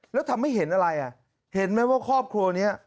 แล้วทำให้เห็นอะไรอ่ะเห็นไหมว่าครอบครัวนี้